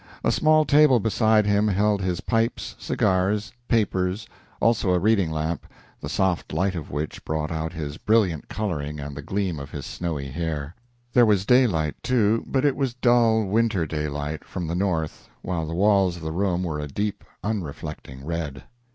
A small table beside him held his pipes, cigars, papers, also a reading lamp, the soft light of which brought out his brilliant coloring and the gleam of his snowy hair. There was daylight, too, but it was dull winter daylight, from the north, while the walls of the room were a deep, unreflecting red.